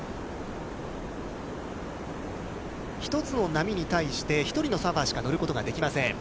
１つの波に対して、１人のサーファーしか乗ることができません。